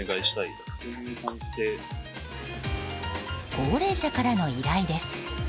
高齢者からの依頼です。